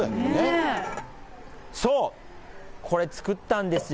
そう、これ、作ったんですよ。